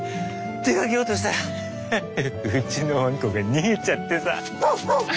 出かけようとしたらうちのワンコが逃げちゃってさ。